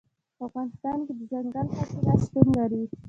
په افغانستان کې دځنګل حاصلات شتون لري.